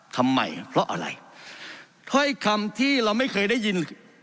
ทำไมเพราะอะไรถ้อยคำที่เราไม่เคยได้ยิน